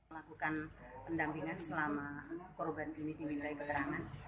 melakukan pendampingan selama korban ini diwilayahkan